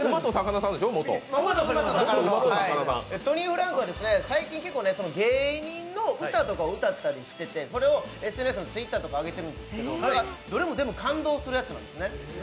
トニーフランクは最近、芸人の歌とか歌ってたりしてそれをＳＮＳのＴｗｉｔｔｅｒとかに上げているんですけど、どれもすごく感動するやつなんですね。